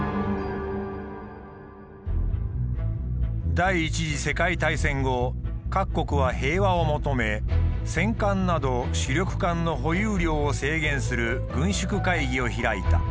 第一次世界大戦後各国は平和を求め戦艦など主力艦の保有量を制限する軍縮会議を開いた。